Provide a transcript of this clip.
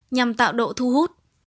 nhằm tạo độ thu hút